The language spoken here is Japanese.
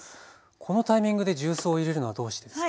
このタイミングで重曹を入れるのはどうしてですか？